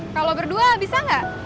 kalo berdua bisa ga